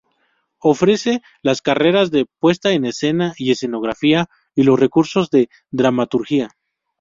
Ofrece las carreras de Puesta en Escena y Escenografía, y los cursos de Dramaturgia.